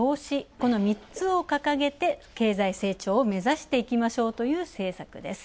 この３つを掲げて経済成長を目指していきましょうという政策です。